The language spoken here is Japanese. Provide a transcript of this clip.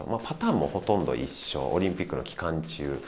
パターンもほとんど一緒、オリンピックの期間中。